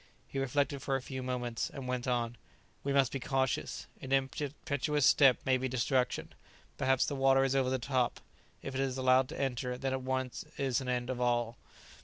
He reflected for a few moments, and went on, "We must be cautious; an impetuous step may be destruction; perhaps the water is over the top; if it is allowed to enter, then at once is an end of all."